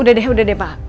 udah deh udah deh pa